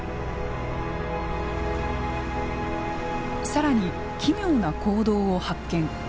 更に奇妙な行動を発見。